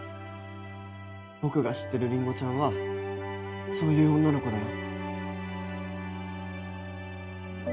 僕が知ってるりんごちゃんはそういう女の子だよ